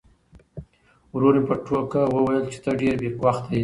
ورور مې په ټوکه وویل چې ته ډېر بې وخته یې.